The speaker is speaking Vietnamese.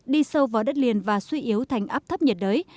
đi sâu vào đất liền và suy yếu thành áp thấp nhiệt đới